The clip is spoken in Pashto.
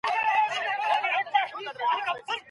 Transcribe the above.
ژوند ولي مهم نه دی د ځينو خلکو دپاره .